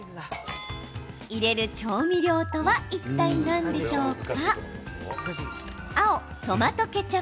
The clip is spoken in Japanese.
入れる調味料とはいったい何でしょうか？